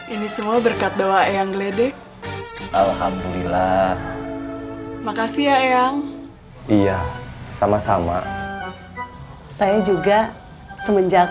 ini semua berkat doa eyang geledek alhamdulillah makasih ya eyang iya sama sama saya juga semenjak